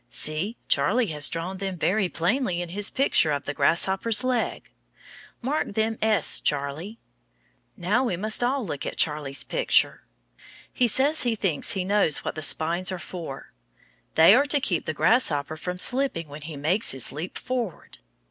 See, Charlie has drawn them very plainly in his picture of the grasshopper's leg. Mark them s, Charlie. Now we must all look at Charlie's picture. He says he thinks he knows what the spines are for they are to keep the grasshopper from slipping when he makes his leap forward.